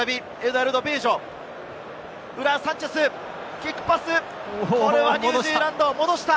キックパス、ニュージーランドが戻した。